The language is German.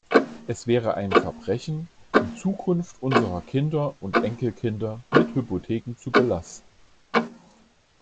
Es wäre ein Verbrechen, die Zukunft unserer Kinder und Enkelkinder mit Hypotheken zu belasten.